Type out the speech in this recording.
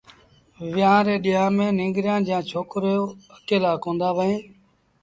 ويهآݩ ري ڏيݩهآݩ ميݩ ننگريٚ جآݩ ڇوڪرو اڪيلآ ڪوندآ وهيݩ